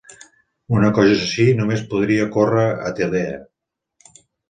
Una cosa així només podria ocórrer a Tilea!